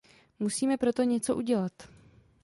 Musíme proto něco udělat.